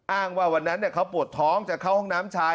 อ้างว่าวันนั้นเนี้ยเขาปวดท้องอยากเข้าห้องน้ำชาย